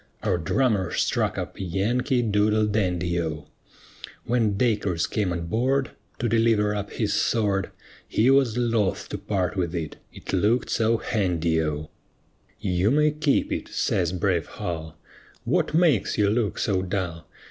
Our drummer struck up "Yankee Doodle Dandy" O; When Dacres came on board To deliver up his sword, He was loth to part with it, it looked so handy O. "You may keep it," says brave Hull. "What makes you look so dull?